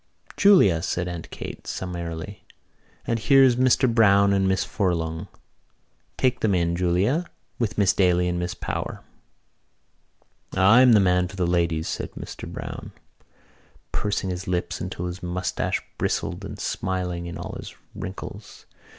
"Julia," said Aunt Kate summarily, "and here's Mr Browne and Miss Furlong. Take them in, Julia, with Miss Daly and Miss Power." "I'm the man for the ladies," said Mr Browne, pursing his lips until his moustache bristled and smiling in all his wrinkles.